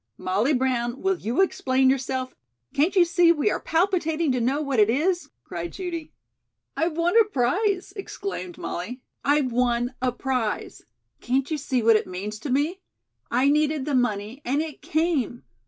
"Molly Brown, will you explain yourself? Can't you see we are palpitating to know what it is?" cried Judy. "I've won a prize," exclaimed Molly. "I've won a prize. Can't you see what it means to me? I needed the money and it came.